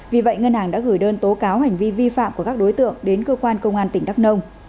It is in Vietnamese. vì vậy ngân hàng đã gửi đơn tố cáo hành vi vi phạm của các đối tượng đến cơ quan công an tỉnh đắk nông